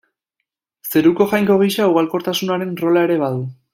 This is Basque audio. Zeruko jainko gisa, ugalkortasunaren rola ere badu.